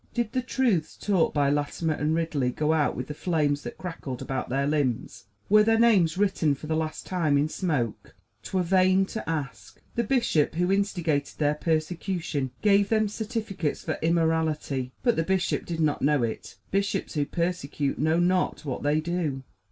Did the truths taught by Latimer and Ridley go out with the flames that crackled about their limbs? Were their names written for the last time in smoke? 'T were vain to ask. The bishop who instigated their persecution gave them certificates for immortality. But the bishop did not know it bishops who persecute know not what they do.